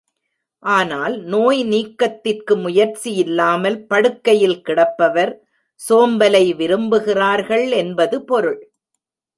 ஆனால் நோய் நீக்கத்திற்கு முயற்சியில்லாமல் படுக்கையில் கிடப்பவர் சோம்பலை விரும்புகிறார்கள் என்பது பொருள்.